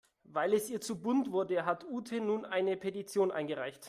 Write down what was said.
Weil es ihr zu bunt wurde, hat Ute nun eine Petition eingereicht.